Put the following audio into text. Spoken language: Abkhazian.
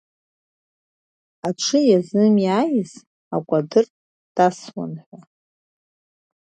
Аҽы иазымиааиз акәадыр дасуан ҳәа.